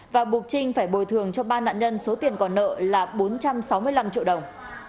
và buộc trinh phải bồi thường cho ba nạn nhân số tiền còn nợ là bốn trăm sáu mươi năm triệu đồng